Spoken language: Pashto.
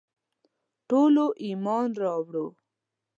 ټولو ایمان راووړ.